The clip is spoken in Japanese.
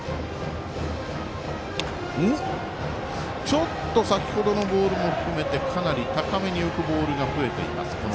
ちょっと、先ほどのボールも含めてかなり高めに浮くボールが増えています。